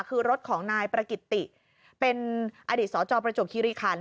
คือรถของนายประกิตติเป็นอดีตสจประจวบคิริคัน